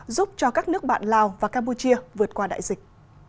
giúp cho các nước bạn lào và campuchia vượt qua đại dịch